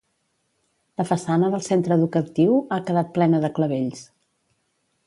La façana del centre educatiu ha quedat plena de clavells.